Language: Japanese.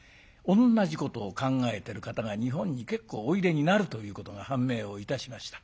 同じことを考えてる方が日本に結構おいでになるということが判明をいたしました。